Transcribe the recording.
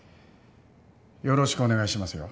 よろしくお願いしますよ。